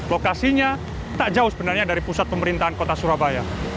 lokasinya tak jauh sebenarnya dari pusat pemerintahan kota surabaya